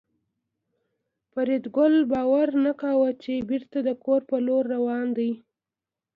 فریدګل باور نه کاوه چې بېرته د کور په لور روان دی